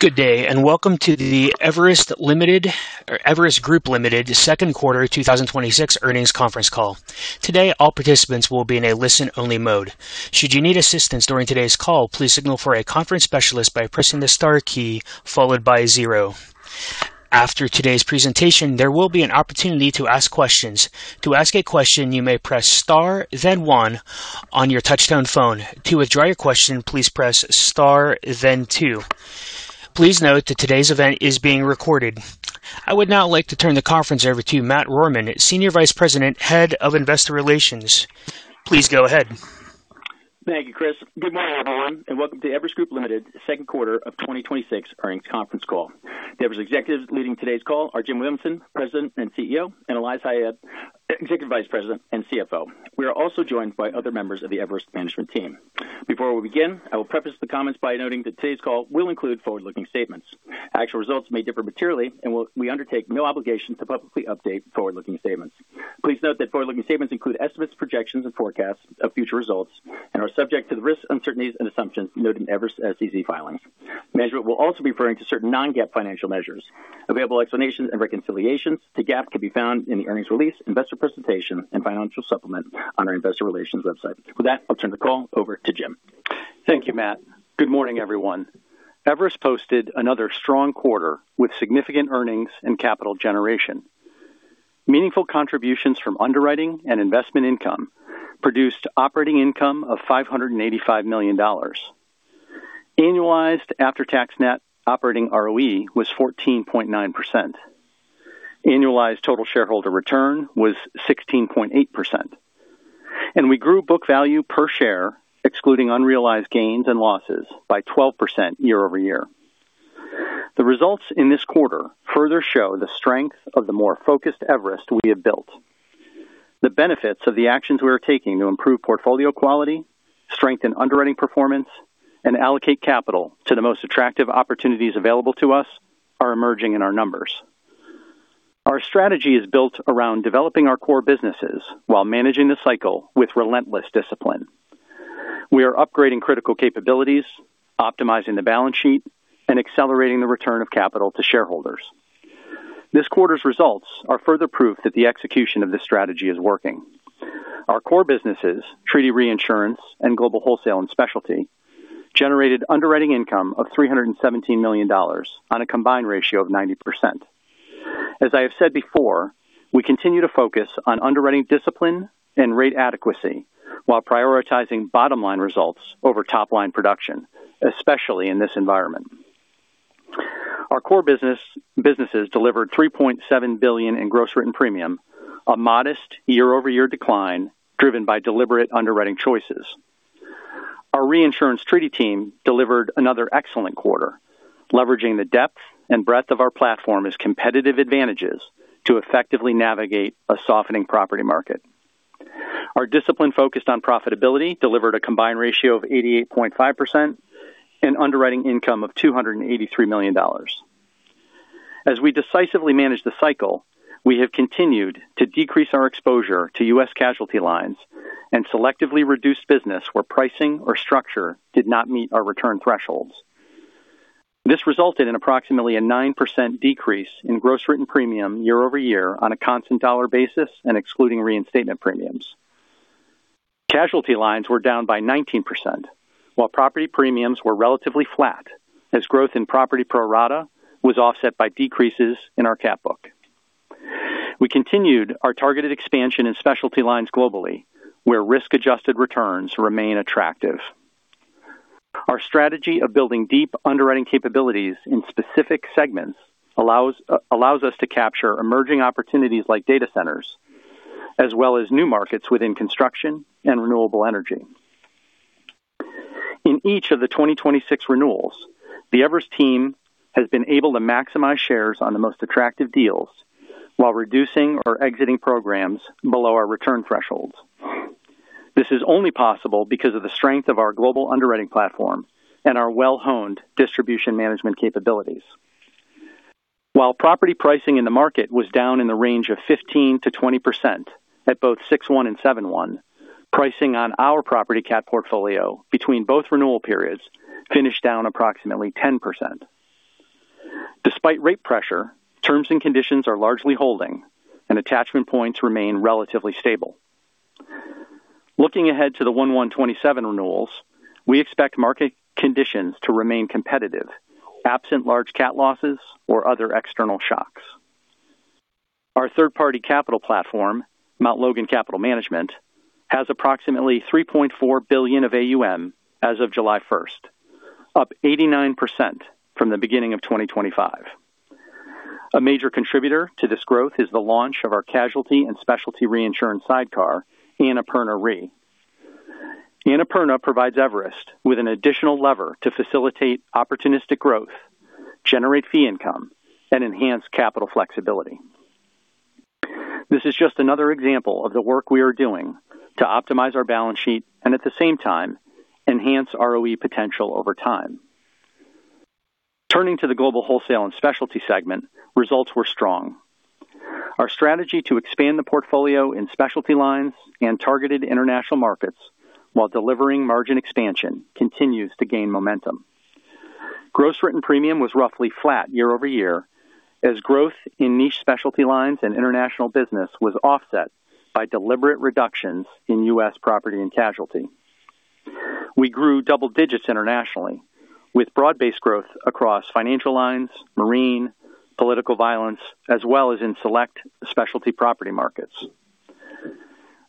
Good day, and welcome to the Everest Group, Ltd. Second Quarter 2026 Earnings Conference Call. Today, all participants will be in a listen-only mode. Should you need assistance during today's call, please signal for a conference specialist by pressing the star key followed by zero. After today's presentation, there will be an opportunity to ask questions. To ask a question, you may press star then one on your touch-tone phone. To withdraw your question, please press star then two. Please note that today's event is being recorded. I would now like to turn the conference over to Matt Rohrmann, Senior Vice President, Head of Investor Relations. Please go ahead. Thank you, Chris. Good morning, everyone, and welcome to Everest Group, Ltd. Second Quarter of 2026 Earnings Conference Call. The Everest executives leading today's call are Jim Williamson, President and CEO, and Elias Habayeb, Executive Vice President and CFO. We are also joined by other members of the Everest management team. Before we begin, I will preface the comments by noting that today's call will include forward-looking statements. Actual results may differ materially, and we undertake no obligation to publicly update forward-looking statements. Please note that forward-looking statements include estimates, projections, and forecasts of future results and are subject to the risks, uncertainties, and assumptions noted in Everest SEC filings. Management will also be referring to certain non-GAAP financial measures. Available explanations and reconciliations to GAAP can be found in the earnings release, investor presentation, and financial supplement on our investor relations website. With that, I'll turn the call over to Jim. Thank you, Matt. Good morning, everyone. Everest posted another strong quarter with significant earnings and capital generation. Meaningful contributions from underwriting and investment income produced operating income of $585 million. Annualized after-tax net operating ROE was 14.9%. Annualized total shareholder return was 16.8%. We grew book value per share, excluding unrealized gains and losses, by 12% year-over-year. The results in this quarter further show the strength of the more focused Everest we have built. The benefits of the actions we are taking to improve portfolio quality, strengthen underwriting performance, and allocate capital to the most attractive opportunities available to us are emerging in our numbers. Our strategy is built around developing our core businesses while managing the cycle with relentless discipline. We are upgrading critical capabilities, optimizing the balance sheet, and accelerating the return of capital to shareholders. This quarter's results are further proof that the execution of this strategy is working. Our core businesses, Reinsurance Treaty and Global Wholesale & Specialty, generated underwriting income of $317 million on a combined ratio of 90%. As I have said before, we continue to focus on underwriting discipline and rate adequacy while prioritizing bottom-line results over top-line production, especially in this environment. Our core businesses delivered $3.7 billion in gross written premium, a modest year-over-year decline driven by deliberate underwriting choices. Our Reinsurance Treaty team delivered another excellent quarter, leveraging the depth and breadth of our platform as competitive advantages to effectively navigate a softening property market. Our discipline focused on profitability delivered a combined ratio of 88.5% and underwriting income of $283 million. As we decisively manage the cycle, we have continued to decrease our exposure to U.S. casualty lines and selectively reduce business where pricing or structure did not meet our return thresholds. This resulted in approximately a 9% decrease in gross written premium year-over-year on a constant dollar basis and excluding reinstatement premiums. Casualty lines were down by 19%, while property premiums were relatively flat as growth in property pro-rata was offset by decreases in our cat book. We continued our targeted expansion in specialty lines globally, where risk-adjusted returns remain attractive. Our strategy of building deep underwriting capabilities in specific segments allows us to capture emerging opportunities like data centers, as well as new markets within construction and renewable energy. In each of the 2026 renewals, the Everest team has been able to maximize shares on the most attractive deals while reducing or exiting programs below our return thresholds. This is only possible because of the strength of our global underwriting platform and our well-honed distribution management capabilities. While property pricing in the market was down in the range of 15%-20% at both 6/1 and 7/1, pricing on our property cat portfolio between both renewal periods finished down approximately 10%. Despite rate pressure, terms and conditions are largely holding, and attachment points remain relatively stable. Looking ahead to the 1/1/2027 renewals, we expect market conditions to remain competitive, absent large cat losses or other external shocks. Our third-party capital platform, Mt. Logan Capital Management, has approximately $3.4 billion of AUM as of July 1st, up 89% from the beginning of 2025. A major contributor to this growth is the launch of our casualty and specialty reinsurance sidecar, Annapurna Re. Annapurna provides Everest with an additional lever to facilitate opportunistic growth, generate fee income, and enhance capital flexibility. This is just another example of the work we are doing to optimize our balance sheet and, at the same time, enhance ROE potential over time. Turning to the Global Wholesale & Specialty segment, results were strong. Our strategy to expand the portfolio in specialty lines and targeted international markets while delivering margin expansion continues to gain momentum. Gross written premium was roughly flat year-over-year, as growth in niche specialty lines and international business was offset by deliberate reductions in U.S. property and casualty. We grew double digits internationally with broad-based growth across financial lines, marine, political violence, as well as in select specialty property markets.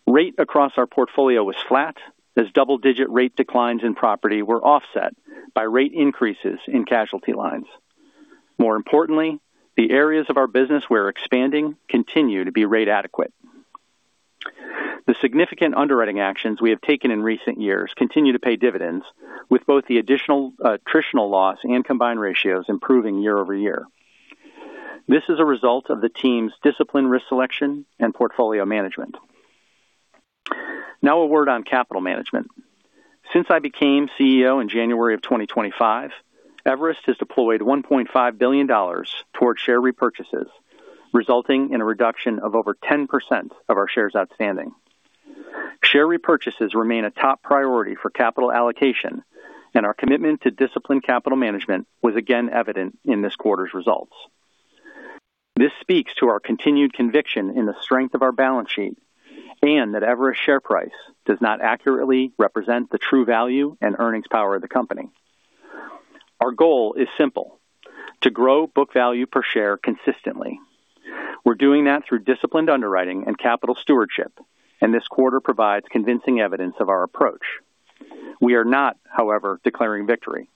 Rate across our portfolio was flat as double-digit rate declines in property were offset by rate increases in casualty lines. More importantly, the areas of our business we're expanding continue to be rate adequate. The significant underwriting actions we have taken in recent years continue to pay dividends with both the additional attritional loss and combined ratios improving year-over-year. This is a result of the team's discipline risk selection and portfolio management. Now a word on capital management. Since I became CEO in January of 2025, Everest has deployed $1.5 billion towards share repurchases, resulting in a reduction of over 10% of our shares outstanding. Share repurchases remain a top priority for capital allocation, and our commitment to disciplined capital management was again evident in this quarter's results. This speaks to our continued conviction in the strength of our balance sheet and that Everest share price does not accurately represent the true value and earnings power of the company. Our goal is simple, to grow book value per share consistently. We're doing that through disciplined underwriting and capital stewardship, and this quarter provides convincing evidence of our approach. We are not, however, declaring victory.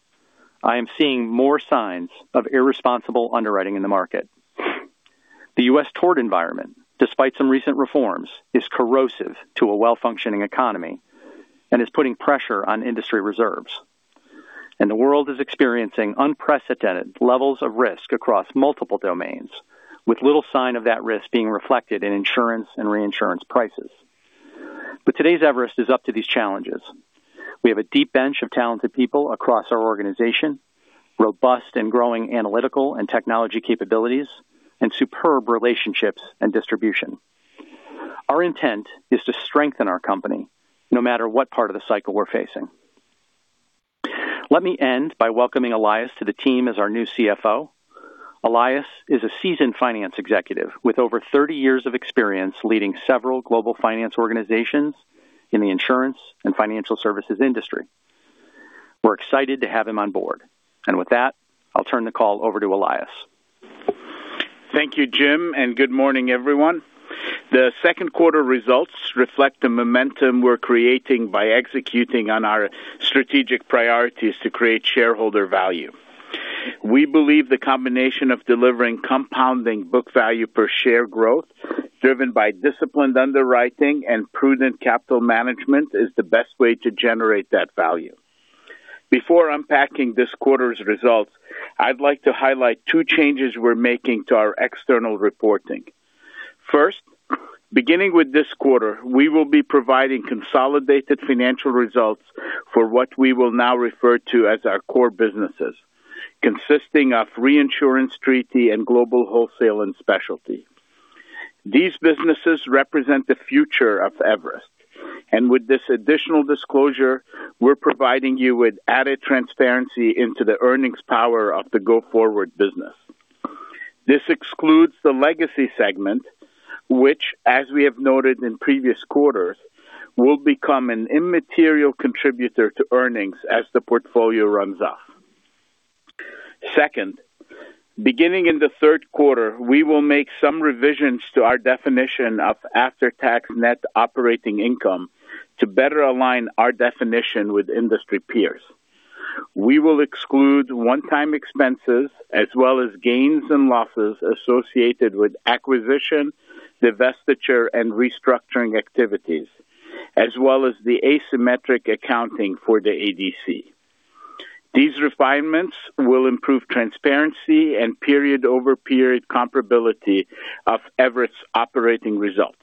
I am seeing more signs of irresponsible underwriting in the market. The U.S. tort environment, despite some recent reforms, is corrosive to a well-functioning economy and is putting pressure on industry reserves. The world is experiencing unprecedented levels of risk across multiple domains, with little sign of that risk being reflected in insurance and reinsurance prices. Today's Everest is up to these challenges. We have a deep bench of talented people across our organization, robust and growing analytical and technology capabilities, and superb relationships and distribution. Our intent is to strengthen our company no matter what part of the cycle we're facing. Let me end by welcoming Elias to the team as our new CFO. Elias is a seasoned finance executive with over 30 years of experience leading several global finance organizations in the insurance and financial services industry. We're excited to have him on board. With that, I'll turn the call over to Elias. Thank you, Jim, and good morning, everyone. The second quarter results reflect the momentum we're creating by executing on our strategic priorities to create shareholder value. We believe the combination of delivering compounding book value per share growth driven by disciplined underwriting and prudent capital management is the best way to generate that value. Before unpacking this quarter's results, I'd like to highlight two changes we're making to our external reporting. First, beginning with this quarter, we will be providing consolidated financial results for what we will now refer to as our core businesses, consisting of Reinsurance Treaty and Global Wholesale & Specialty. These businesses represent the future of Everest. With this additional disclosure, we're providing you with added transparency into the earnings power of the go-forward business. This excludes the legacy segment, which, as we have noted in previous quarters, will become an immaterial contributor to earnings as the portfolio runs off. Second, beginning in the third quarter, we will make some revisions to our definition of after-tax net operating income to better align our definition with industry peers. We will exclude one-time expenses as well as gains and losses associated with acquisition, divestiture, and restructuring activities, as well as the asymmetric accounting for the ADC. These refinements will improve transparency and period-over-period comparability of Everest's operating results.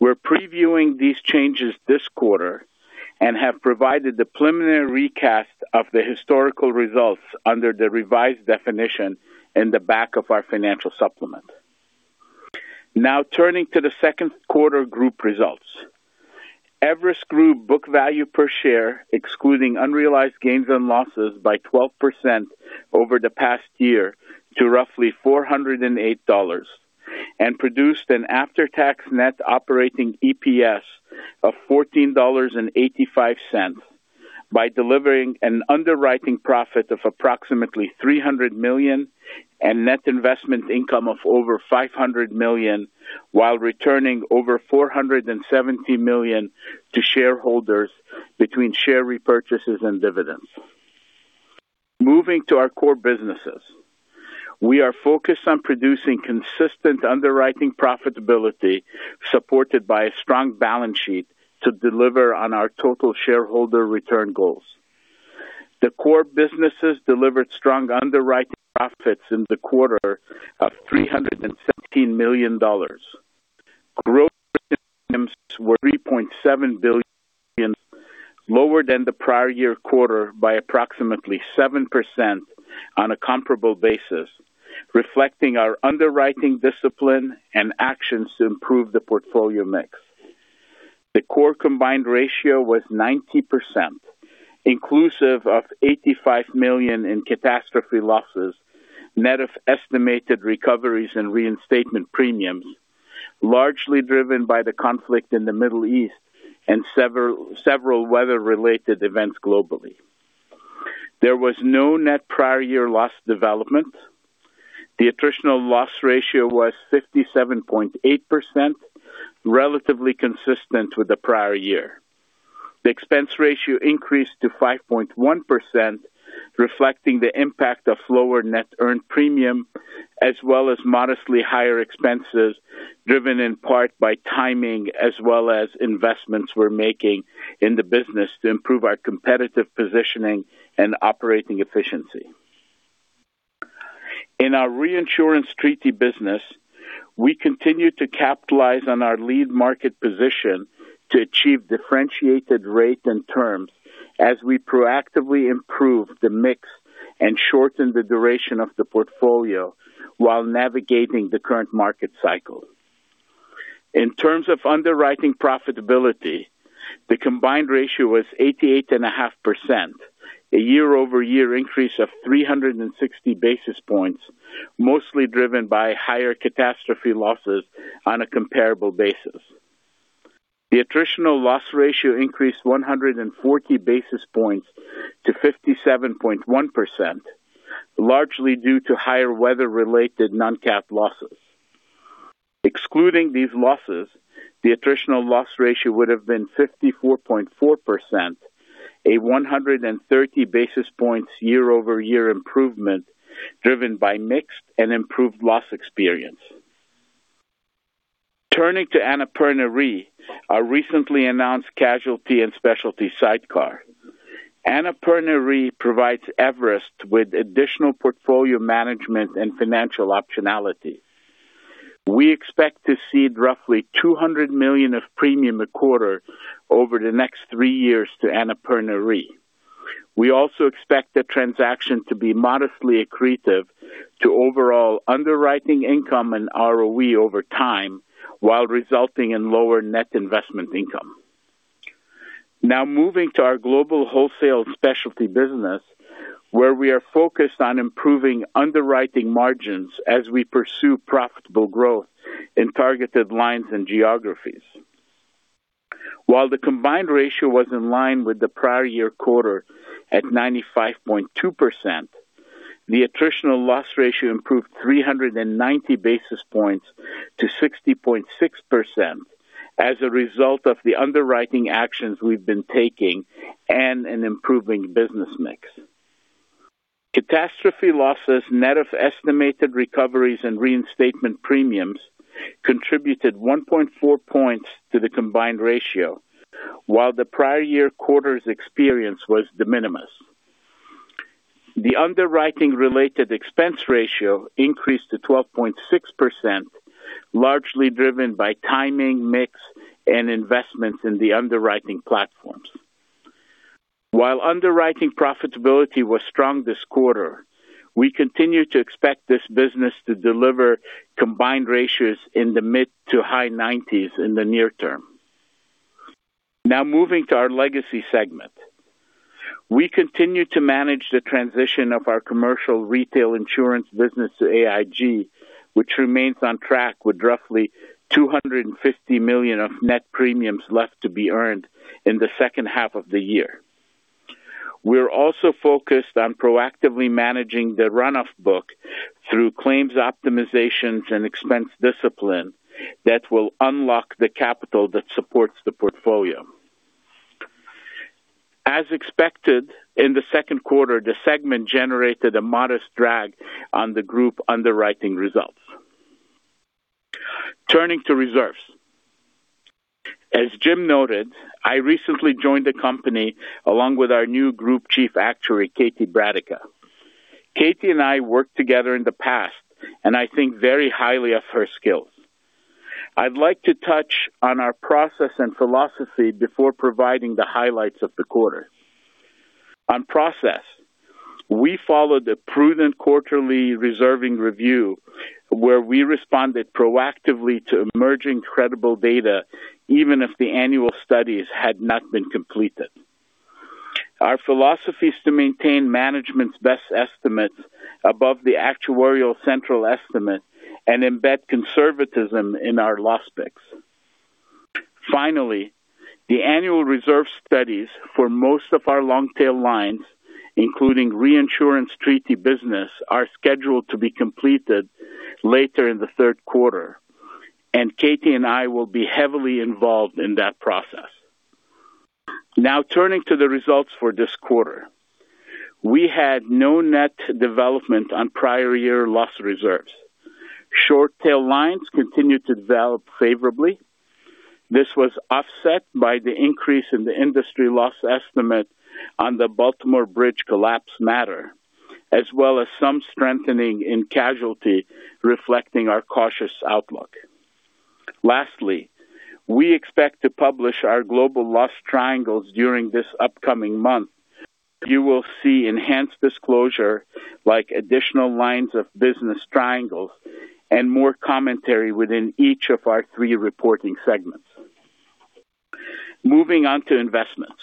We're previewing these changes this quarter and have provided the preliminary recast of the historical results under the revised definition in the back of our financial supplement. Turning to the second quarter group results. Everest Group book value per share, excluding unrealized gains and losses by 12% over the past year to roughly $408 and produced an after-tax net operating EPS of $14.85 by delivering an underwriting profit of approximately $300 million and net investment income of over $500 million while returning over $470 million to shareholders between share repurchases and dividends. Moving to our core businesses. We are focused on producing consistent underwriting profitability supported by a strong balance sheet to deliver on our total shareholder return goals. The core businesses delivered strong underwriting profits in the quarter of $317 million. Gross Premiums were $3.7 billion, lower than the prior year quarter by approximately 7% on a comparable basis, reflecting our underwriting discipline and actions to improve the portfolio mix. The core combined ratio was 90%, inclusive of $85 million in catastrophe losses, net of estimated recoveries and reinstatement premiums, largely driven by the conflict in the Middle East and several weather-related events globally. There was no net prior year loss development. The attritional loss ratio was 57.8%, relatively consistent with the prior year. The expense ratio increased to 5.1%, reflecting the impact of lower net earned premium, as well as modestly higher expenses driven in part by timing as well as investments we're making in the business to improve our competitive positioning and operating efficiency. In our Reinsurance Treaty business, we continue to capitalize on our lead market position to achieve differentiated rates and terms as we proactively improve the mix and shorten the duration of the portfolio while navigating the current market cycle. In terms of underwriting profitability, the combined ratio was 88.5%, a year-over-year increase of 360 basis points, mostly driven by higher catastrophe losses on a comparable basis. The attritional loss ratio increased 140 basis points to 57.1%, largely due to higher weather-related non-cat losses. Excluding these losses, the attritional loss ratio would have been 54.4%, a 130 basis points year-over-year improvement driven by mix and improved loss experience. Turning to Annapurna Re, our recently announced casualty and specialty sidecar. Annapurna Re provides Everest with additional portfolio management and financial optionality. We expect to cede roughly $200 million of premium a quarter over the next three years to Annapurna Re. We also expect the transaction to be modestly accretive to overall underwriting income and ROE over time while resulting in lower net investment income. Now moving to our Global Wholesale & Specialty business, where we are focused on improving underwriting margins as we pursue profitable growth in targeted lines and geographies. While the combined ratio was in line with the prior year quarter at 95.2%, the attritional loss ratio improved 390 basis points to 60.6% as a result of the underwriting actions we've been taking and an improving business mix. Catastrophe losses, net of estimated recoveries and reinstatement premiums, contributed 1.4 points to the combined ratio, while the prior year quarter's experience was de minimis. The underwriting-related expense ratio increased to 12.6%, largely driven by timing, mix, and investments in the underwriting platforms. While underwriting profitability was strong this quarter, we continue to expect this business to deliver combined ratios in the mid to high 90s in the near term. Now moving to our legacy segment. We continue to manage the transition of our commercial retail insurance business to AIG, which remains on track with roughly $250 million of net premiums left to be earned in the second half of the year. We're also focused on proactively managing the run-off book through claims optimizations and expense discipline that will unlock the capital that supports the portfolio. As expected, in the second quarter, the segment generated a modest drag on the group underwriting results. Turning to reserves. As Jim noted, I recently joined the company along with our new group chief actuary, Katie Bradica. Katie and I worked together in the past, and I think very highly of her skills. I'd like to touch on our process and philosophy before providing the highlights of the quarter. On process, we followed a prudent quarterly reserving review where we responded proactively to emerging credible data, even if the annual studies had not been completed. Our philosophy is to maintain management's best estimates above the actuarial central estimate and embed conservatism in our loss picks. Finally, the annual reserve studies for most of our long-tail lines, including Reinsurance Treaty business, are scheduled to be completed later in the third quarter, and Katie and I will be heavily involved in that process. Now turning to the results for this quarter. We had no net development on prior year loss reserves. Short-tail lines continued to develop favorably. This was offset by the increase in the industry loss estimate on the Baltimore Bridge collapse matter as well as some strengthening in casualty reflecting our cautious outlook. Lastly, we expect to publish our global loss triangles during this upcoming month. You will see enhanced disclosure, like additional lines of business triangles and more commentary within each of our three reporting segments. Moving on to investments.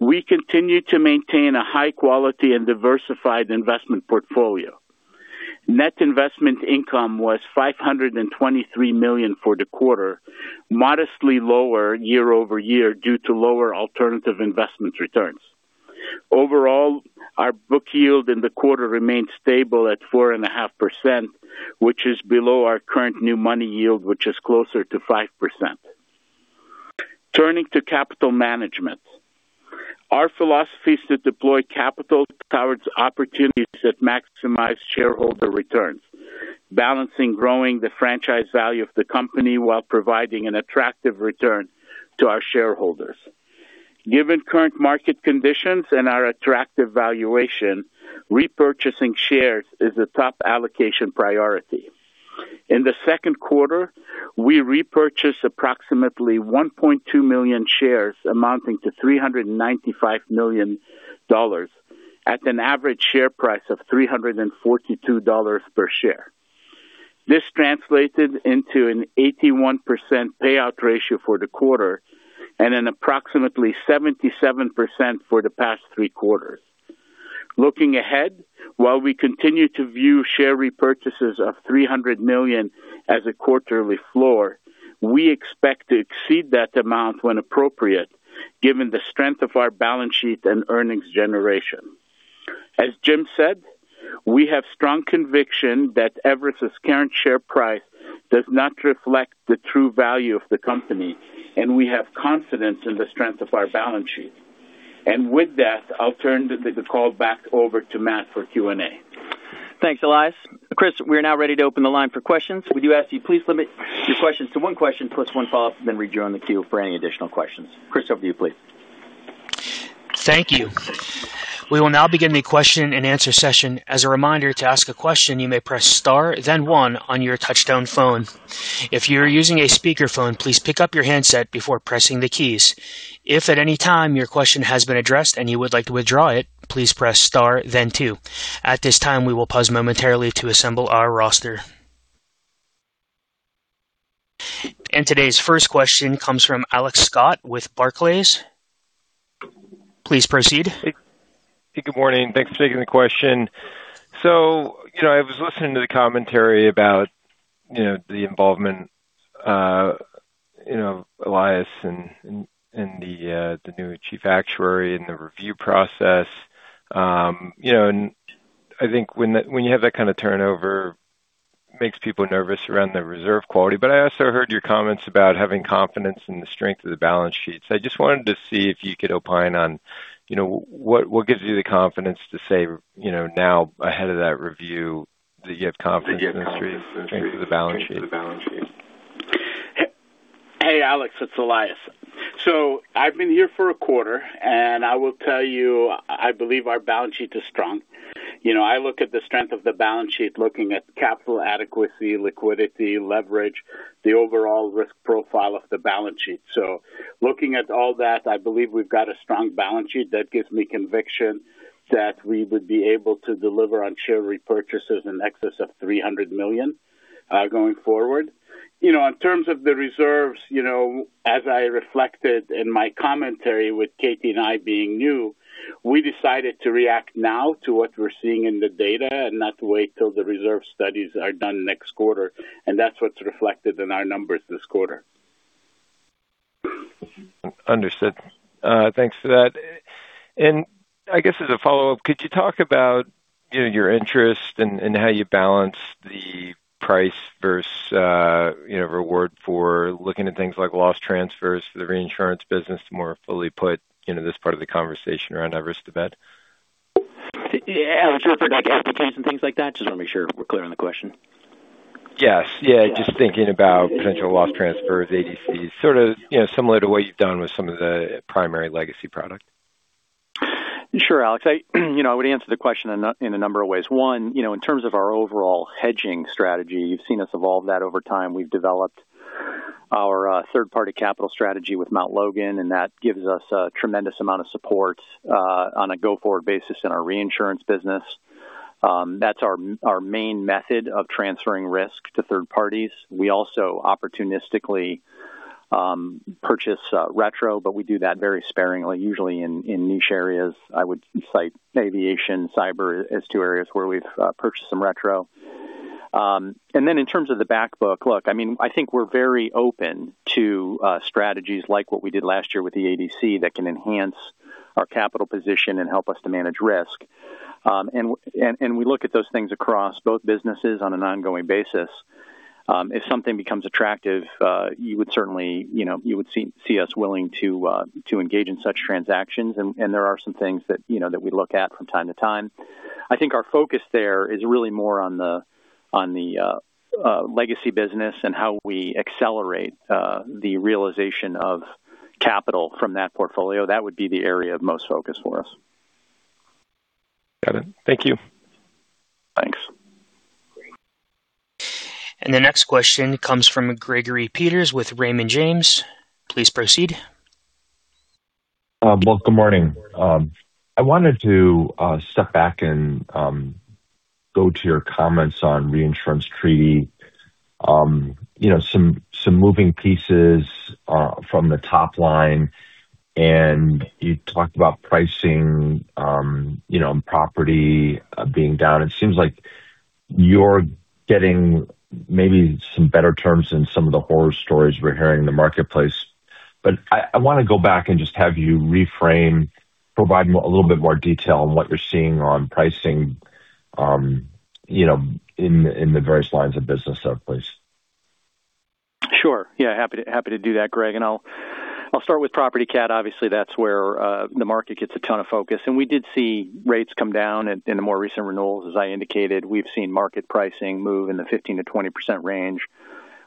We continue to maintain a high quality and diversified investment portfolio. Net investment income was $523 million for the quarter, modestly lower year-over-year due to lower alternative investment returns. Overall, our book yield in the quarter remained stable at 4.5%, which is below our current new money yield, which is closer to 5%. Turning to capital management. Our philosophy is to deploy capital towards opportunities that maximize shareholder returns, balancing growing the franchise value of the company while providing an attractive return to our shareholders. Given current market conditions and our attractive valuation, repurchasing shares is a top allocation priority. In the second quarter, we repurchased approximately 1.2 million shares amounting to $395 million at an average share price of $342 per share. This translated into an 81% payout ratio for the quarter, and an approximately 77% for the past three quarters. Looking ahead, while we continue to view share repurchases of $300 million as a quarterly floor, we expect to exceed that amount when appropriate given the strength of our balance sheet and earnings generation. As Jim said, we have strong conviction that Everest's current share price does not reflect the true value of the company, and we have confidence in the strength of our balance sheet. With that, I'll turn the call back over to Matt for Q&A. Thanks, Elias. Chris, we are now ready to open the line for questions. We do ask you please limit your questions to one question plus one follow-up, then rejoin the queue for any additional questions. Chris, over to you, please. Thank you. We will now begin the question and answer session. As a reminder, to ask a question, you may press star then one on your touchtone phone. If you're using a speakerphone, please pick up your handset before pressing the keys. If at any time your question has been addressed and you would like to withdraw it, please press star then two. At this time, we will pause momentarily to assemble our roster. Today's first question comes from Alex Scott with Barclays. Please proceed. Hey. Good morning. Thanks for taking the question. I was listening to the commentary about the involvement, Elias and the new chief actuary in the review process. I think when you have that kind of turnover, makes people nervous around the reserve quality. I also heard your comments about having confidence in the strength of the balance sheet. I just wanted to see if you could opine on what gives you the confidence to say, now ahead of that review, that you have confidence and strength in the balance sheet? Hey, Alex, it's Elias. I've been here for a quarter, and I will tell you, I believe our balance sheet is strong. I look at the strength of the balance sheet, looking at capital adequacy, liquidity, leverage, the overall risk profile of the balance sheet. Looking at all that, I believe we've got a strong balance sheet that gives me conviction that we would be able to deliver on share repurchases in excess of $300 million going forward. In terms of the reserves, as I reflected in my commentary with Katie and I being new, we decided to react now to what we're seeing in the data and not wait till the reserve studies are done next quarter. That's what's reflected in our numbers this quarter. Understood. Thanks for that. I guess as a follow-up, could you talk about your interest and how you balance the price versus reward for looking at things like loss transfers for the reinsurance business to more fully put this part of the conversation around Everest to bed? Alex, you're referring to capital plans and things like that? Just want to make sure we're clear on the question. Yes. Just thinking about potential loss transfers, ADCs, sort of similar to what you've done with some of the primary legacy product. Sure, Alex. One, in terms of our overall hedging strategy, you've seen us evolve that over time. We've developed our third-party capital strategy with Mt. Logan, and that gives us a tremendous amount of support on a go-forward basis in our reinsurance business. That's our main method of transferring risk to third parties. We also opportunistically purchase retro. We do that very sparingly, usually in niche areas. I would cite aviation, cyber as two areas where we've purchased some retro. In terms of the back book, look, I think we're very open to strategies like what we did last year with the ADC that can enhance our capital position and help us to manage risk. We look at those things across both businesses on an ongoing basis. If something becomes attractive, you would see us willing to engage in such transactions, and there are some things that we look at from time to time. I think our focus there is really more on the legacy business and how we accelerate the realization of capital from that portfolio, that would be the area of most focus for us. Got it. Thank you. Thanks. Great. The next question comes from Gregory Peters with Raymond James. Please proceed. Well, good morning. I wanted to step back and go to your comments on Reinsurance Treaty. Some moving pieces from the top line, you talked about pricing, property being down. It seems like you're getting maybe some better terms than some of the horror stories we're hearing in the marketplace. I want to go back and just have you reframe, provide a little bit more detail on what you're seeing on pricing in the various lines of business, please. Sure. Yeah, happy to do that, Greg. I'll start with property cat. Obviously, that's where the market gets a ton of focus. We did see rates come down in the more recent renewals. As I indicated, we've seen market pricing move in the 15%-20% range.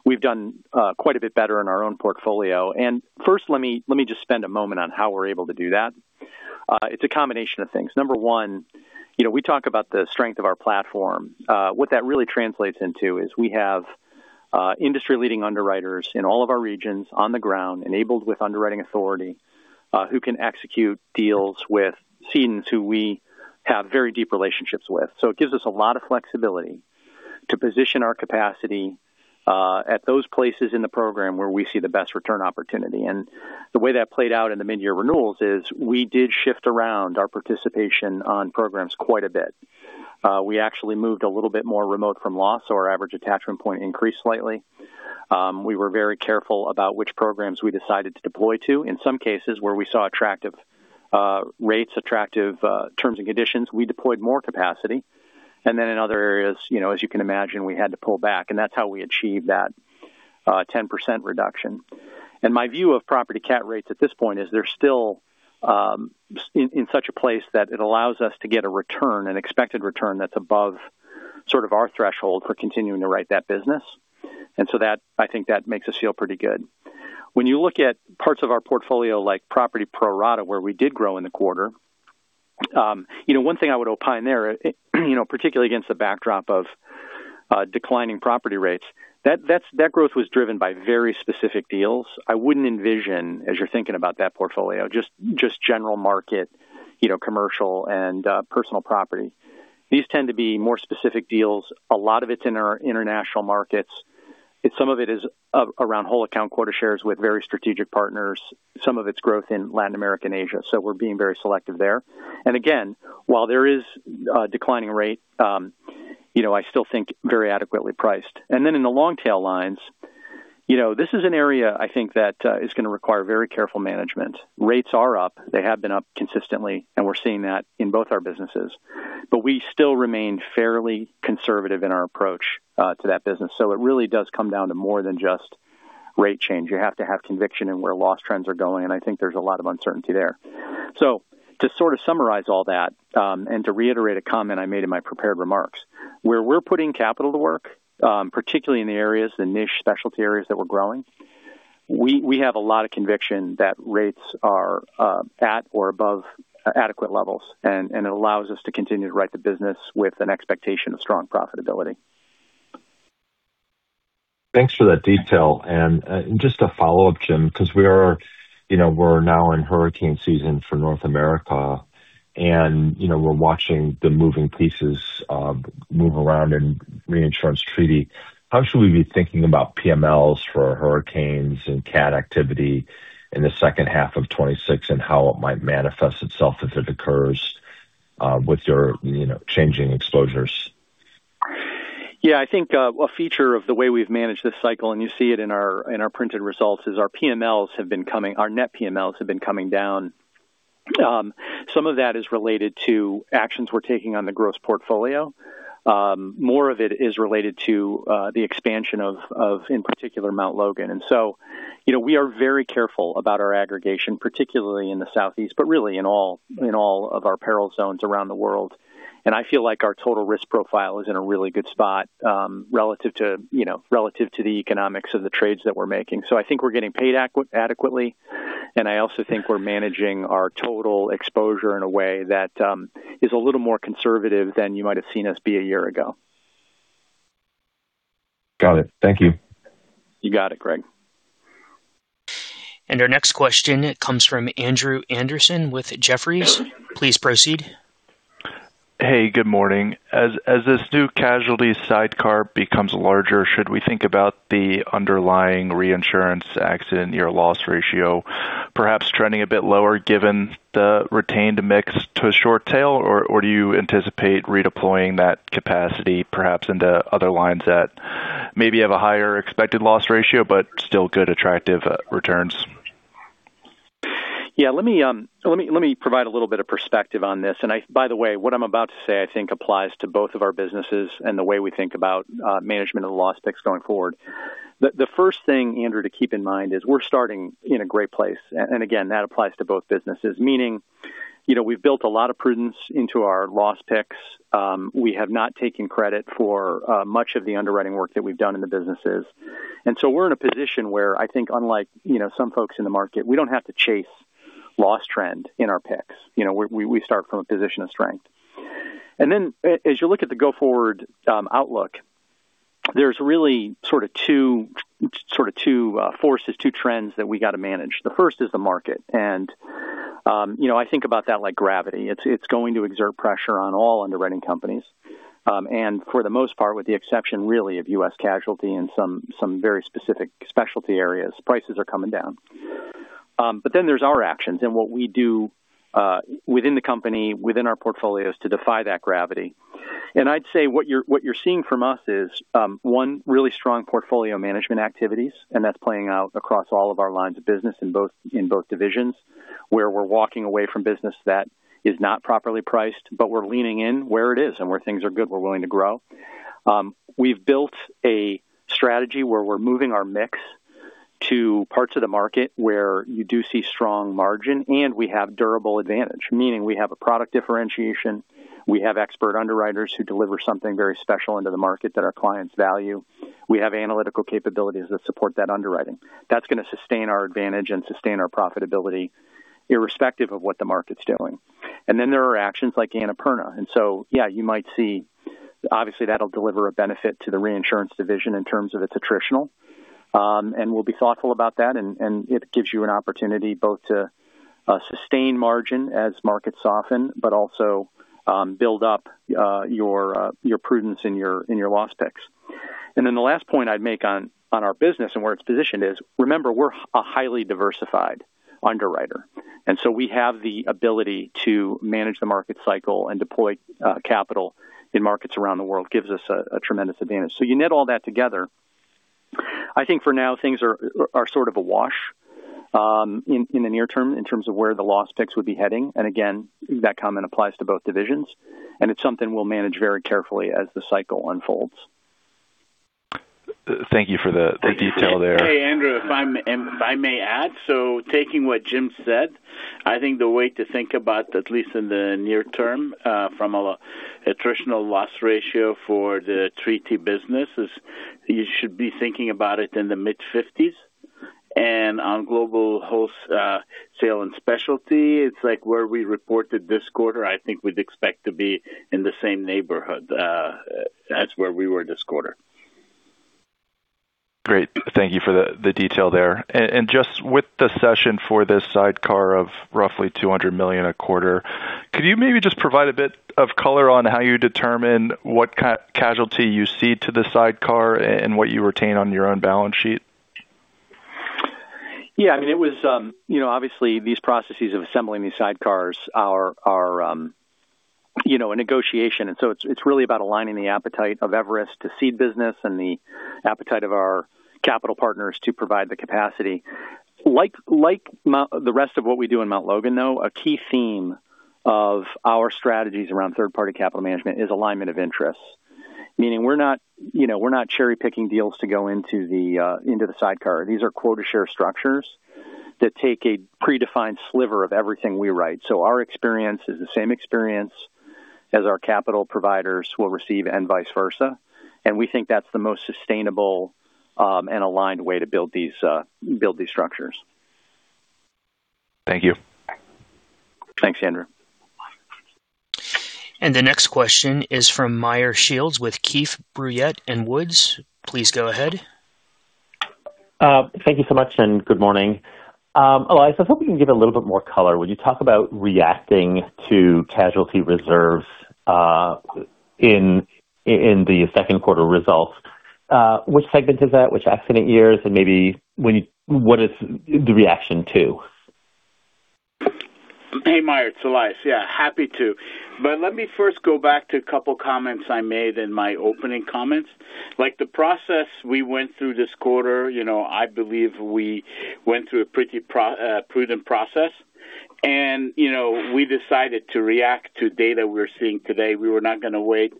We've done quite a bit better in our own portfolio. First, let me just spend a moment on how we're able to do that. It's a combination of things. Number one, we talk about the strength of our platform. What that really translates into is we have industry-leading underwriters in all of our regions on the ground, enabled with underwriting authority, who can execute deals with cedents who we have very deep relationships with. It gives us a lot of flexibility to position our capacity at those places in the program where we see the best return opportunity. The way that played out in the mid-year renewals is we did shift around our participation on programs quite a bit. We actually moved a little bit more remote from loss, our average attachment point increased slightly. We were very careful about which programs we decided to deploy to. In some cases, where we saw attractive rates, attractive terms and conditions, we deployed more capacity. Then in other areas, as you can imagine, we had to pull back, and that's how we achieved that 10% reduction. My view of property cat rates at this point is they're still in such a place that it allows us to get a return, an expected return that's above sort of our threshold for continuing to write that business. I think that makes us feel pretty good. When you look at parts of our portfolio, like property pro rata, where we did grow in the quarter. One thing I would opine there, particularly against the backdrop of declining property rates, that growth was driven by very specific deals. I wouldn't envision, as you're thinking about that portfolio, just general market, commercial and personal property. These tend to be more specific deals. A lot of it's in our international markets. Some of it is around whole account quota shares with very strategic partners. Some of its growth in Latin America and Asia. We're being very selective there. Again, while there is a declining rate, I still think very adequately priced. Then in the long tail lines, this is an area I think that is going to require very careful management. Rates are up. They have been up consistently, and we're seeing that in both our businesses. We still remain fairly conservative in our approach to that business. It really does come down to more than just rate change. You have to have conviction in where loss trends are going, and I think there's a lot of uncertainty there. To sort of summarize all that, and to reiterate a comment I made in my prepared remarks, where we're putting capital to work, particularly in the areas, the niche specialty areas that we're growing, we have a lot of conviction that rates are at or above adequate levels, and it allows us to continue to write the business with an expectation of strong profitability. Thanks for that detail. Just a follow-up, Jim, because we're now in hurricane season for North America, and we're watching the moving pieces move around in Reinsurance Treaty. How should we be thinking about PMLs for hurricanes and cat activity in the second half of 2026 and how it might manifest itself as it occurs with your changing exposures? I think a feature of the way we've managed this cycle, and you see it in our printed results, is our net PMLs have been coming down. Some of that is related to actions we're taking on the gross portfolio. More of it is related to the expansion of, in particular, Mt. Logan. We are very careful about our aggregation, particularly in the Southeast, but really in all of our peril zones around the world. I feel like our total risk profile is in a really good spot relative to the economics of the trades that we're making. I think we're getting paid adequately, and I also think we're managing our total exposure in a way that is a little more conservative than you might have seen us be a year ago. Got it. Thank you. You got it, Greg. Our next question comes from Andrew Andersen with Jefferies. Please proceed. Hey, good morning. As this new casualty sidecar becomes larger, should we think about the underlying reinsurance accident year loss ratio perhaps trending a bit lower given the retained mix to a short tail, or do you anticipate redeploying that capacity perhaps into other lines that maybe have a higher expected loss ratio but still good attractive returns? Yeah, let me provide a little bit of perspective on this. By the way, what I'm about to say I think applies to both of our businesses and the way we think about management and the loss picks going forward. The first thing, Andrew, to keep in mind is we're starting in a great place. Again, that applies to both businesses. We've built a lot of prudence into our loss picks. We have not taken credit for much of the underwriting work that we've done in the businesses. So we're in a position where I think, unlike some folks in the market, we don't have to chase loss trend in our picks. We start from a position of strength. Then as you look at the go-forward outlook, there's really two forces, two trends that we got to manage. The first is the market, I think about that like gravity. It's going to exert pressure on all underwriting companies. For the most part, with the exception really of U.S. Casualty and some very specific specialty areas, prices are coming down. Then there's our actions and what we do within the company, within our portfolios to defy that gravity. I'd say what you're seeing from us is, one, really strong portfolio management activities, that's playing out across all of our lines of business in both divisions, where we're walking away from business that is not properly priced, we're leaning in where it is and where things are good, we're willing to grow. We've built a strategy where we're moving our mix to parts of the market where you do see strong margin, we have durable advantage, meaning, we have a product differentiation, we have expert underwriters who deliver something very special into the market that our clients value. We have analytical capabilities that support that underwriting. That's going to sustain our advantage and sustain our profitability irrespective of what the market's doing. Then there are actions like Annapurna, so yeah, you might see, obviously, that'll deliver a benefit to the reinsurance division in terms of its attritional. We'll be thoughtful about that, it gives you an opportunity both to sustain margin as markets soften, also build up your prudence in your loss picks. Then the last point I'd make on our business and where it's positioned is, remember, we're a highly diversified underwriter, so we have the ability to manage the market cycle and deploy capital in markets around the world, gives us a tremendous advantage. You knit all that together, I think for now, things are sort of a wash in the near term in terms of where the loss picks would be heading. Again, that comment applies to both divisions, it's something we'll manage very carefully as the cycle unfolds. Thank you for the detail there. Hey, Andrew, if I may add, taking what Jim said, I think the way to think about, at least in the near term, from an attritional loss ratio for the treaty business is you should be thinking about it in the mid-50s. On Global Wholesale & Specialty, it's like where we reported this quarter, I think we'd expect to be in the same neighborhood as where we were this quarter. Great. Thank you for the detail there. Just with the session for this sidecar of roughly $200 million a quarter, could you maybe just provide a bit of color on how you determine what casualty you cede to the sidecar and what you retain on your own balance sheet? Yeah. Obviously, these processes of assembling these sidecars are a negotiation, it's really about aligning the appetite of Everest to cede business and the appetite of our capital partners to provide the capacity. Like the rest of what we do in Mt. Logan, though, a key theme of our strategies around third-party capital management is alignment of interests, meaning we're not cherry-picking deals to go into the sidecar. These are quota share structures that take a predefined sliver of everything we write. Our experience is the same experience as our capital providers will receive and vice versa. We think that's the most sustainable and aligned way to build these structures. Thank you. Thanks, Andrew. The next question is from Meyer Shields with Keefe, Bruyette & Woods. Please go ahead. Thank you so much, and good morning. Elias, I was hoping you could give a little bit more color. When you talk about reacting to casualty reserves in the second quarter results, which segment is that? Which accident years? Maybe what is the reaction to? Hey, Meyer, it's Elias. Yeah, happy to. Let me first go back to a couple of comments I made in my opening comments. Like the process we went through this quarter, I believe we went through a pretty prudent process. We decided to react to data we are seeing today. We were not going to wait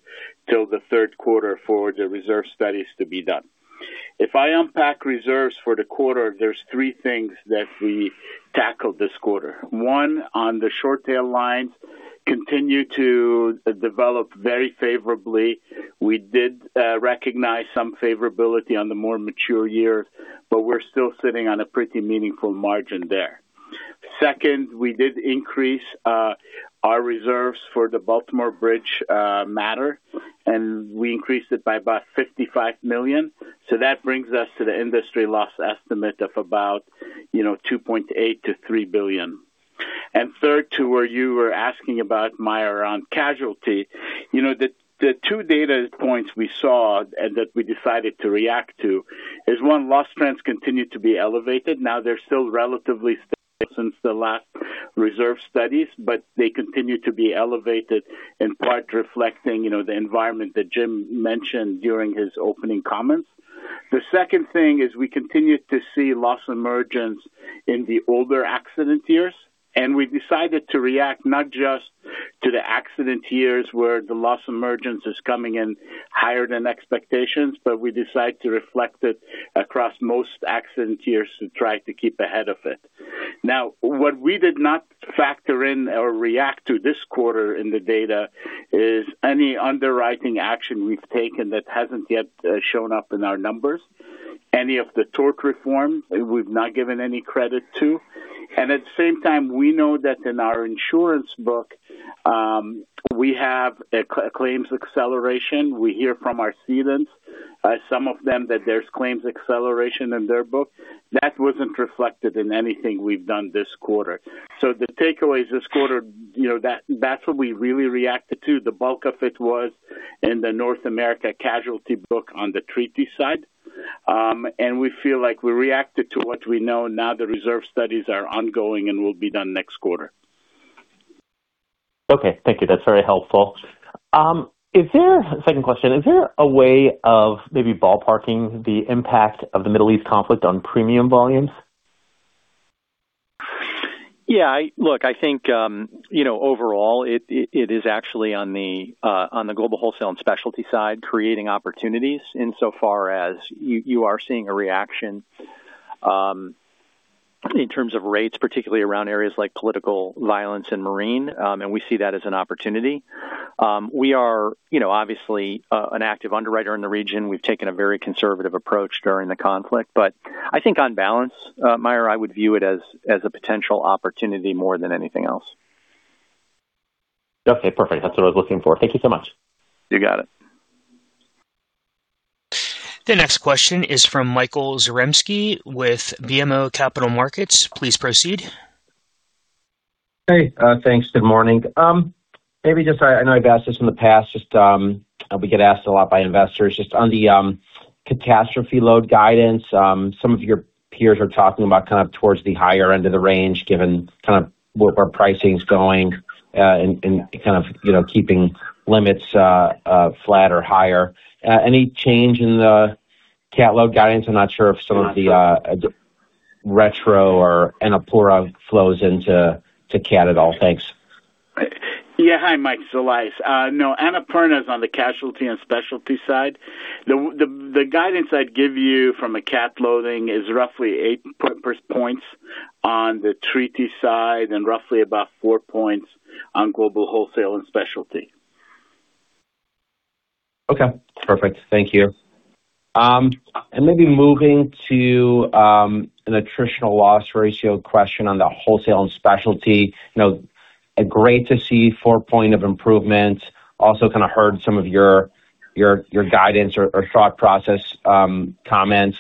till the third quarter for the reserve studies to be done. If I unpack reserves for the quarter, there's three things that we tackled this quarter. One, on the short tail lines, continue to develop very favorably. We did recognize some favorability on the more mature year, but we're still sitting on a pretty meaningful margin there. Second, we did increase our reserves for the Baltimore Bridge matter, and we increased it by about $55 million. That brings us to the industry loss estimate of about $2.8 billion-$3 billion. Third, to where you were asking about, Meyer, on casualty. The two data points we saw and that we decided to react to is, one, loss trends continue to be elevated. Now, they're still relatively stable since the last reserve studies, but they continue to be elevated, in part reflecting the environment that Jim mentioned during his opening comments. The second thing is we continue to see loss emergence in the older accident years, and we decided to react not just to the accident years where the loss emergence is coming in higher than expectations, but we decide to reflect it across most accident years to try to keep ahead of it. Now, what we did not factor in or react to this quarter in the data is any underwriting action we've taken that hasn't yet shown up in our numbers. Any of the tort reform we've not given any credit to. At the same time, we know that in our insurance book, we have a claims acceleration. We hear from our cedants, some of them, that there's claims acceleration in their book. That wasn't reflected in anything we've done this quarter. The takeaways this quarter, that's what we really reacted to. The bulk of it was in the North America casualty book on the treaty side. We feel like we reacted to what we know. Now the reserve studies are ongoing and will be done next quarter. Okay. Thank you. That's very helpful. Second question, is there a way of maybe ballparking the impact of the Middle East conflict on premium volumes? Yeah. Look, I think, overall it is actually on the Global Wholesale & Specialty side, creating opportunities in so far as you are seeing a reaction, in terms of rates, particularly around areas like political violence and marine, and we see that as an opportunity. We are obviously an active underwriter in the region. We've taken a very conservative approach during the conflict. I think on balance, Meyer, I would view it as a potential opportunity more than anything else. Okay, perfect. That's what I was looking for. Thank you so much. You got it. The next question is from Michael Zaremski with BMO Capital Markets. Please proceed. Hey, thanks. Good morning. I know I've asked this in the past, we get asked a lot by investors on the catastrophe load guidance. Some of your peers are talking about kind of towards the higher end of the range given where pricing's going, and keeping limits flat or higher. Any change in the cat load guidance? I'm not sure if some of the retro or Annapurna flows into cat at all. Thanks. Yeah. Hi, Mike. It's Elias. No, Annapurna on the casualty and specialty side. The guidance I'd give you from a cat loading is roughly 8 points on the Reinsurance Treaty side and roughly about four points on Global Wholesale & Specialty. Okay, perfect. Thank you. Maybe moving to an attritional loss ratio question on the Global Wholesale & Specialty. Great to see four points of improvement. Also kind of heard some of your guidance or thought process comments.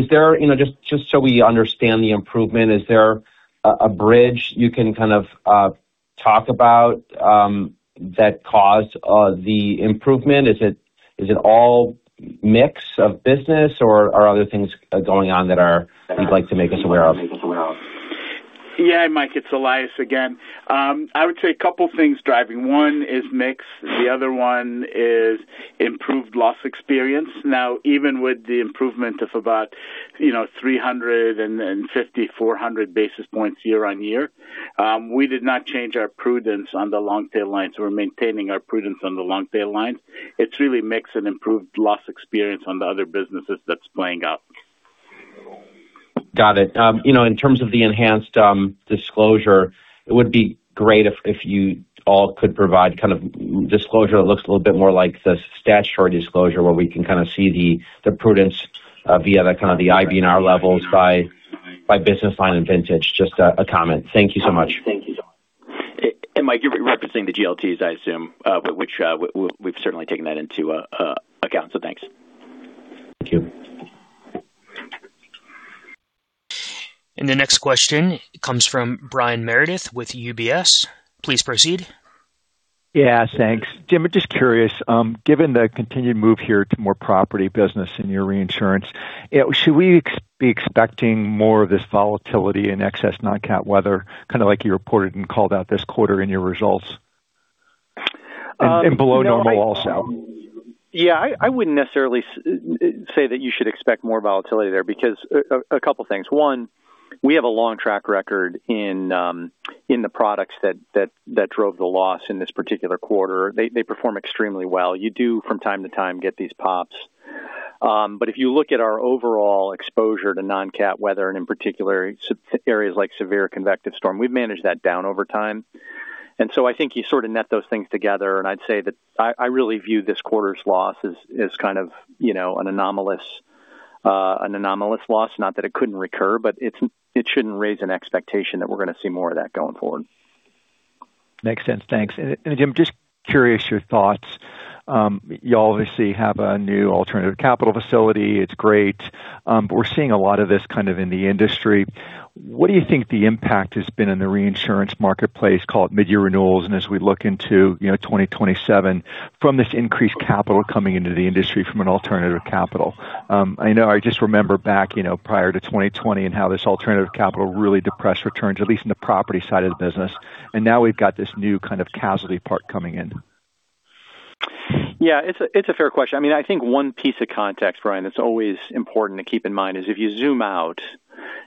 Just so we understand the improvement, is there a bridge you can talk about that caused the improvement? Is it all mix of business or are other things going on that you'd like to make us aware of? Yeah, Mike, it's Elias again. I would say a couple of things driving. One is mix, the other one is improved loss experience. Now, even with the improvement of about 350, 400 basis points year-over-year, we did not change our prudence on the long tail lines. We're maintaining our prudence on the long tail lines. It's really mix and improved loss experience on the other businesses that's playing out. Got it. In terms of the enhanced disclosure, it would be great if you all could provide disclosure that looks a little bit more like the statutory disclosure, where we can see the prudence via the IBNR levels by business line and vintage. Just a comment. Thank you so much. Mike, you're referencing the GLTs, I assume, which we've certainly taken that into account. Thanks. Thank you. The next question comes from Brian Meredith with UBS. Please proceed. Yeah, thanks. Jim, just curious, given the continued move here to more property business in your reinsurance, should we be expecting more of this volatility in excess non-cat weather, kind of like you reported and called out this quarter in your results? Below normal also. Yeah, I wouldn't necessarily say that you should expect more volatility there because a couple things. One, we have a long track record in the products that drove the loss in this particular quarter. They perform extremely well. You do from time to time get these pops. If you look at our overall exposure to non-cat weather, and in particular areas like severe convective storm, we've managed that down over time. I think you sort of net those things together, and I'd say that I really view this quarter's loss as kind of an anomalous loss. Not that it couldn't recur, but it shouldn't raise an expectation that we're going to see more of that going forward. Makes sense. Thanks. Jim, just curious your thoughts. You obviously have a new alternative capital facility. It's great. We're seeing a lot of this kind of in the industry. What do you think the impact has been in the reinsurance marketplace, call it mid-year renewals, and as we look into 2027 from this increased capital coming into the industry from an alternative capital? I know, I just remember back prior to 2020 and how this alternative capital really depressed returns, at least in the property side of the business. Now we've got this new kind of casualty part coming in. Yeah, it's a fair question. I think one piece of context, Brian, that's always important to keep in mind is if you zoom out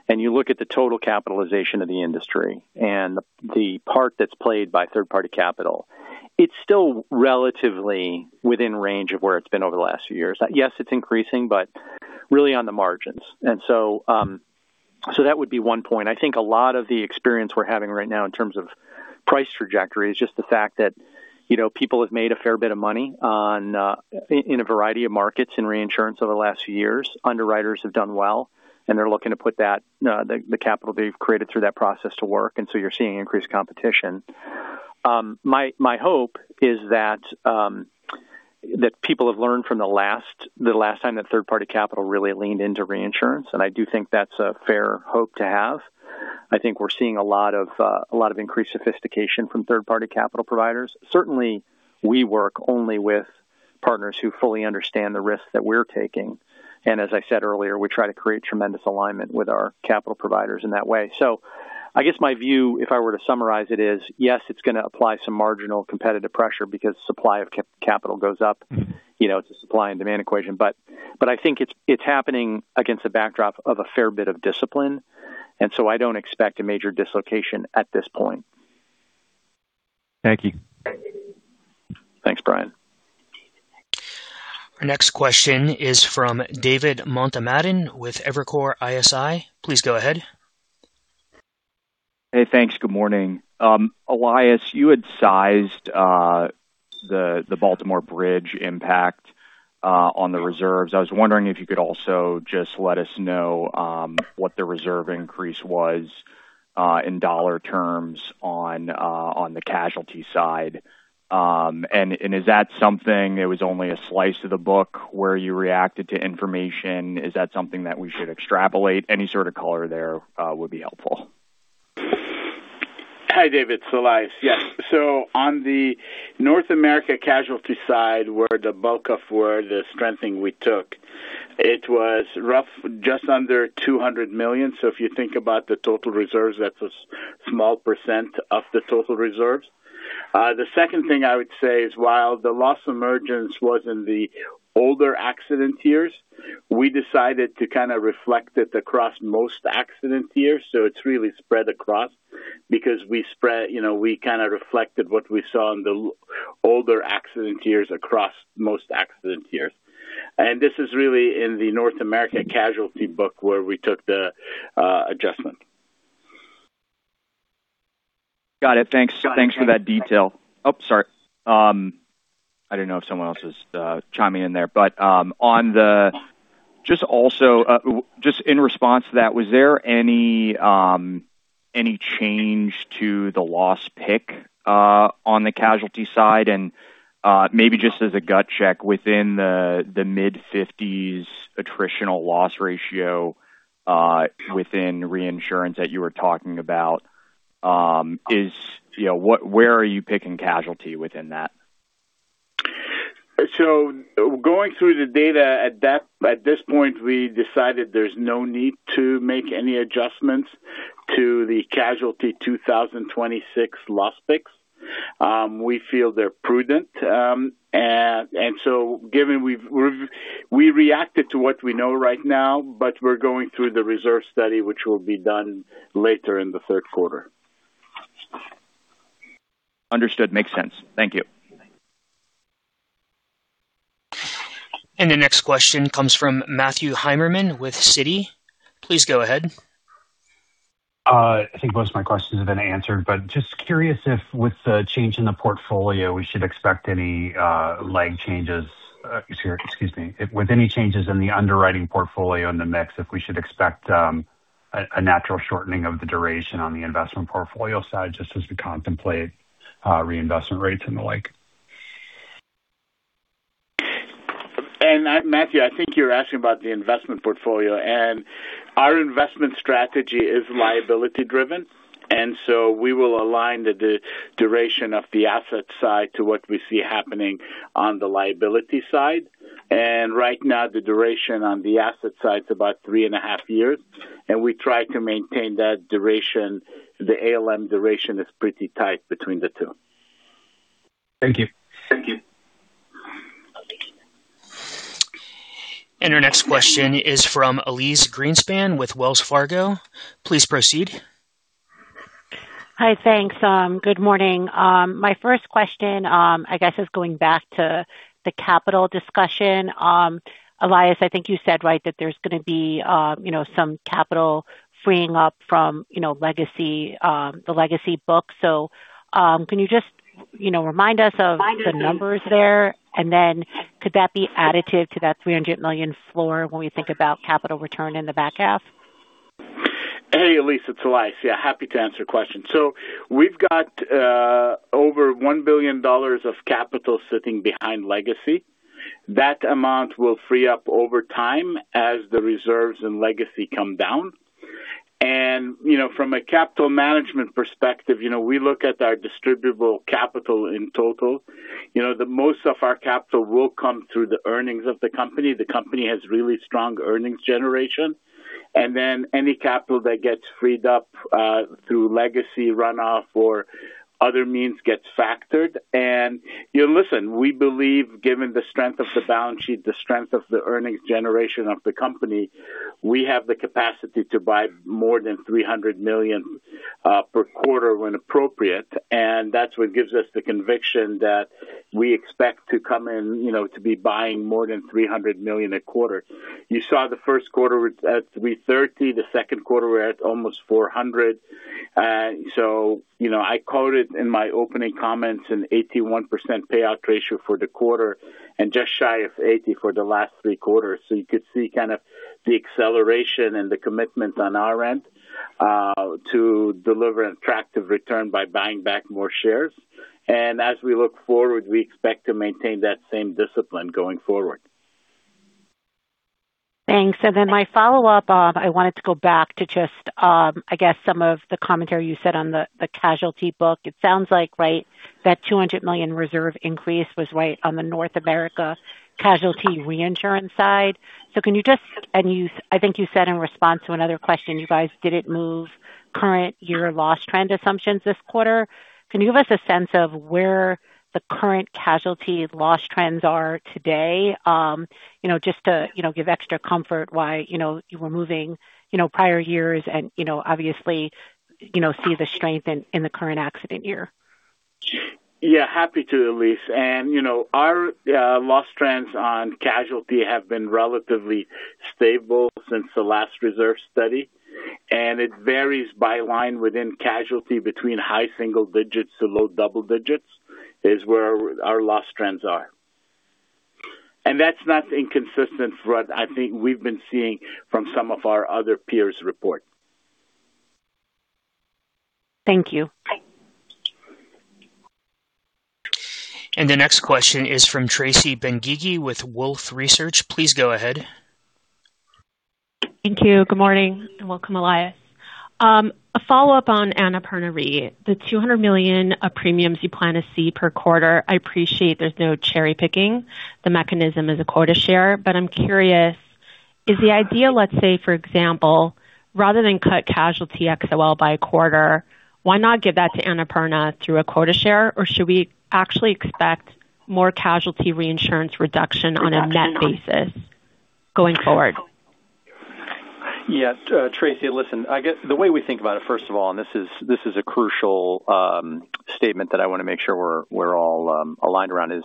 and you look at the total capitalization of the industry and the part that's played by third-party capital, it's still relatively within range of where it's been over the last few years. Yes, it's increasing, but really on the margins. That would be one point. I think a lot of the experience we're having right now in terms of price trajectory is just the fact that people have made a fair bit of money in a variety of markets in reinsurance over the last few years. Underwriters have done well, and they're looking to put the capital they've created through that process to work, you're seeing increased competition. My hope is that people have learned from the last time that third-party capital really leaned into reinsurance, and I do think that's a fair hope to have. I think we're seeing a lot of increased sophistication from third-party capital providers. Certainly, we work only with partners who fully understand the risks that we're taking. As I said earlier, we try to create tremendous alignment with our capital providers in that way. I guess my view, if I were to summarize it, is yes, it's going to apply some marginal competitive pressure because supply of capital goes up. It's a supply and demand equation. I think it's happening against a backdrop of a fair bit of discipline, I don't expect a major dislocation at this point. Thank you. Thanks, Brian. Our next question is from David Motemaden with Evercore ISI. Please go ahead. Hey, thanks. Good morning. Elias, you had sized the Baltimore Bridge impact on the reserves. I was wondering if you could also just let us know what the reserve increase was in dollar terms on the casualty side. Is that something that was only a slice of the book where you reacted to information? Is that something that we should extrapolate? Any sort of color there would be helpful. Hi, David. It's Elias. Yes. On the North America casualty side, where the bulk of the strengthening we took, it was rough, just under $200 million. If you think about the total reserves, that's a small percent of the total reserves. The second thing I would say is, while the loss emergence was in the older accident years, we decided to kind of reflect it across most accident years. It's really spread across because we kind of reflected what we saw in the older accident years across most accident years. This is really in the North America casualty book where we took the adjustment. Got it. Thanks for that detail. Oh, sorry. I didn't know if someone else was chiming in there. Just in response to that, was there any change to the loss pick on the casualty side? Maybe just as a gut check within the mid-50s attritional loss ratio within Reinsurance that you were talking about, where are you picking casualty within that? Going through the data at this point, we decided there's no need to make any adjustments to the casualty 2026 loss picks. We feel they're prudent. We reacted to what we know right now, we're going through the reserve study, which will be done later in the third quarter. Understood. Makes sense. Thank you. The next question comes from Matthew Heimermann with Citi. Please go ahead. I think most of my questions have been answered, but just curious if with any changes in the underwriting portfolio in the mix, if we should expect a natural shortening of the duration on the investment portfolio side just as we contemplate reinvestment rates and the like. Matthew, I think you're asking about the investment portfolio. Our investment strategy is liability driven, so we will align the duration of the asset side to what we see happening on the liability side. Right now, the duration on the asset side is about three and a half years, and we try to maintain that duration. The ALM duration is pretty tight between the two. Thank you. Our next question is from Elyse Greenspan with Wells Fargo. Please proceed. Hi. Thanks. Good morning. My first question, I guess, is going back to the capital discussion. Elias, I think you said right that there's going to be some capital freeing up from the legacy book. Can you just remind us of the numbers there, and then could that be additive to that $300 million floor when we think about capital return in the back half? Hey, Elyse, it's Elias. Yeah, happy to answer your question. We've got over $1 billion of capital sitting behind legacy. That amount will free up over time as the reserves and legacy come down. From a capital management perspective, we look at our distributable capital in total. Most of our capital will come through the earnings of the company. The company has really strong earnings generation. Any capital that gets freed up through legacy runoff or other means gets factored. Listen, we believe, given the strength of the balance sheet, the strength of the earnings generation of the company, we have the capacity to buy more than $300 million per quarter when appropriate. That's what gives us the conviction that we expect to come in, to be buying more than $300 million a quarter. You saw the first quarter at $330, the second quarter we're at almost $400. I quoted in my opening comments an 81% payout ratio for the quarter and just shy of 80% for the last three quarters. You could see the acceleration and the commitment on our end to deliver attractive return by buying back more shares. As we look forward, we expect to maintain that same discipline going forward. Thanks. My follow-up, I wanted to go back to just, I guess, some of the commentary you said on the casualty book. It sounds like, right, that $200 million reserve increase was right on the North America casualty reinsurance side. Can you just and I think you said in response to another question, you guys didn't move current year loss trend assumptions this quarter. Can you give us a sense of where the current casualty loss trends are today? Just to give extra comfort why you were moving prior years and obviously see the strength in the current accident year. Yeah, happy to, Elyse. Our loss trends on casualty have been relatively stable since the last reserve study, and it varies by line within casualty between high single digits to low double digits is where our loss trends are. That's not inconsistent for what I think we've been seeing from some of our other peers' report. Thank you. The next question is from Tracy Benguigui with Wolfe Research. Please go ahead. Thank you. Good morning and welcome, Elias. A follow-up on Annapurna Re, the $200 million of premiums you plan to see per quarter. I appreciate there's no cherry-picking. The mechanism is a quota share, but I'm curious, is the idea, let's say, for example, rather than cut casualty XL by a quarter, why not give that to Annapurna through a quota share? Should we actually expect more casualty reinsurance reduction on a net basis going forward? Yes. Tracy, listen, I guess the way we think about it, first of all, this is a crucial statement that I want to make sure we're all aligned around, is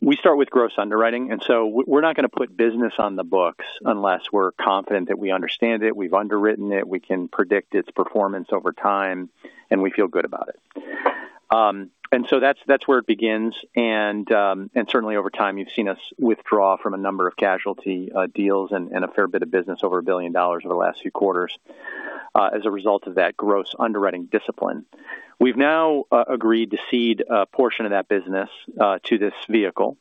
we start with gross underwriting. We're not going to put business on the books unless we're confident that we understand it, we've underwritten it, we can predict its performance over time, and we feel good about it. That's where it begins. Certainly, over time, you've seen us withdraw from a number of casualty deals and a fair bit of business, over $1 billion over the last few quarters as a result of that gross underwriting discipline. We've now agreed to cede a portion of that business to this vehicle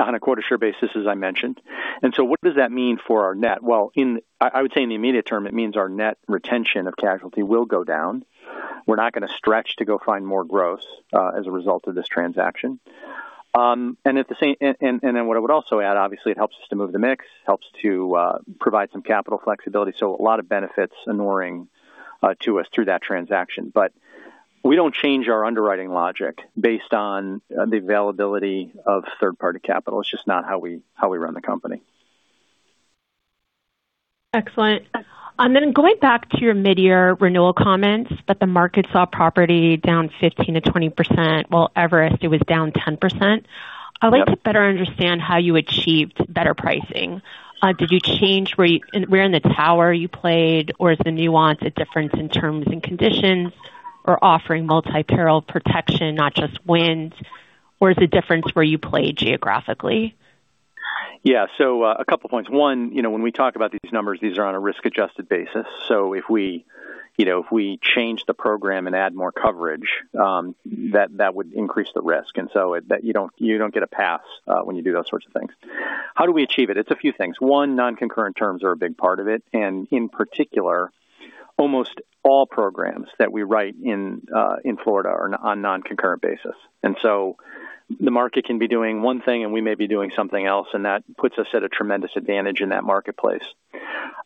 on a quota share basis, as I mentioned. What does that mean for our net? Well, I would say in the immediate term, it means our net retention of casualty will go down. We're not going to stretch to go find more gross as a result of this transaction. What I would also add, obviously, it helps us to move the mix, helps to provide some capital flexibility. A lot of benefits inuring to us through that transaction. We don't change our underwriting logic based on the availability of third-party capital. It's just not how we run the company. Excellent. Going back to your mid-year renewal comments that the market saw property down 15%-20%, while Everest, it was down 10%. I'd like to better understand how you achieved better pricing. Did you change where in the tower you played, or is the nuance a difference in terms and conditions or offering multi-peril protection, not just winds? Or is the difference where you play geographically? Yeah. A couple points. One, when we talk about these numbers, these are on a risk-adjusted basis. If we change the program and add more coverage, that would increase the risk. You don't get a pass when you do those sorts of things. How do we achieve it? It's a few things. One, non-concurrent terms are a big part of it, and in particular, almost all programs that we write in Florida are on non-concurrent basis. The market can be doing one thing, and we may be doing something else, and that puts us at a tremendous advantage in that marketplace.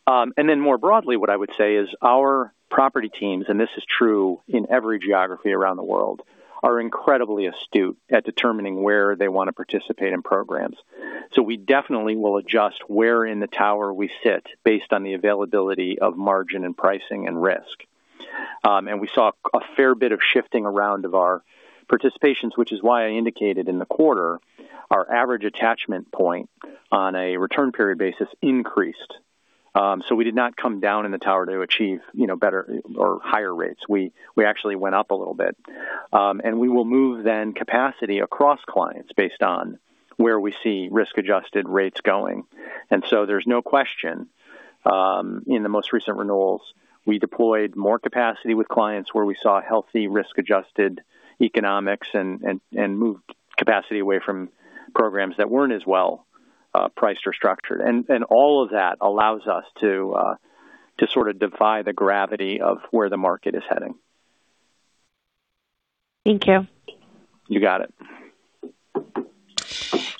More broadly, what I would say is our property teams, and this is true in every geography around the world, are incredibly astute at determining where they want to participate in programs. We definitely will adjust where in the tower we sit based on the availability of margin and pricing and risk. We saw a fair bit of shifting around of our participations, which is why I indicated in the quarter our average attachment point on a return period basis increased. We did not come down in the tower to achieve better or higher rates. We actually went up a little bit. We will move then capacity across clients based on where we see risk-adjusted rates going. There's no question, in the most recent renewals, we deployed more capacity with clients where we saw healthy risk-adjusted economics and moved capacity away from programs that weren't as well priced or structured. All of that allows us to sort of defy the gravity of where the market is heading. Thank you. You got it.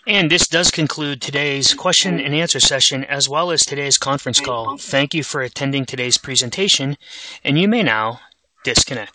This does conclude today's question and answer session as well as today's conference call. Thank you for attending today's presentation, and you may now disconnect.